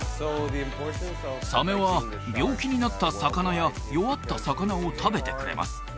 サメは病気になった魚や弱った魚を食べてくれます